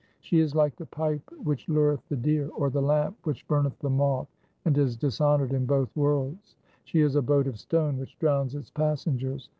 She is like the pipe which lureth the deer, or the lamp which burneth the moth, and is dishonoured in both worlds. She is a boat of stone which drowns its passengers.